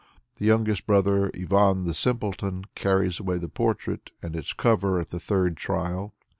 The youngest brother, Ivan the Simpleton, carries away the portrait and its cover at the third trial.